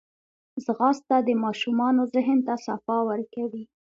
ځغاسته د ماشومانو ذهن ته صفا ورکوي